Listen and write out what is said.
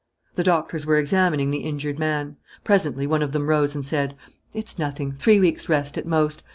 The doctors were examining the injured man. Presently one of them rose and said: "It's nothing. Three weeks' rest, at most.